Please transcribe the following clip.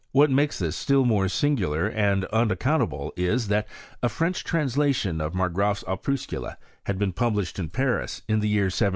What makes this still more singular and unaccountable is, that a French translation of Mar graaf *s Opuscula had been published in Paris, in the year 1762.